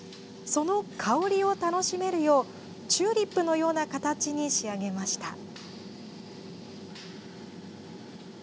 その香りを楽しめるようチューリップのような形に仕上げました。